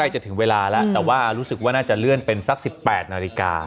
จะถึงเวลาแล้วแต่ว่ารู้สึกว่าน่าจะเลื่อนเป็นสัก๑๘นาฬิกา